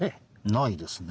ないですね。